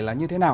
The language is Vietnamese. là như thế nào